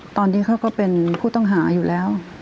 ตอนนี้เขาก็เป็นผู้ต้องหาอยู่แล้ว